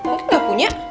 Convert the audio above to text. mungkin gak punya